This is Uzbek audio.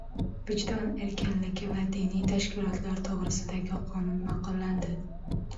"Vijdon erkinligi va diniy tashkilotlar to‘g‘risida"gi qonun ma’qullandi